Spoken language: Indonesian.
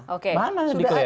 belum ada diklaim